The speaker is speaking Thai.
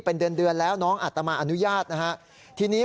พระขู่คนที่เข้าไปคุยกับพระรูปนี้